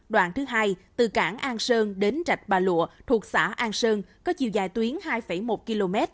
đoạn thứ hai từ cảng an sơn đến trạch bà lụa thuộc xã an sơn có chiều dài tuyến hai một km